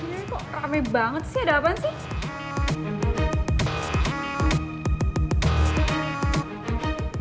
ya kok rame banget sih ada apaan sih